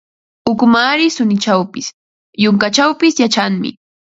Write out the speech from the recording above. Ukumaari suninchawpis, yunkachawpis yachanmi.